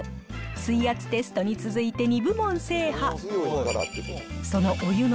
水圧テストに続いて２部門制覇。